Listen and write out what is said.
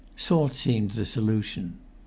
. Salt seemed the solution .